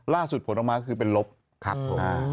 ผลออกมาก็คือเป็นลบครับผม